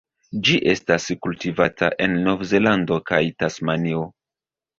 Ĝi estas kultivata en Novzelando kaj Tasmanio.